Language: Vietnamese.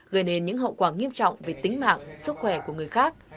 gây nên những hậu quả nghiêm trọng về tính mạng sức khỏe của người khác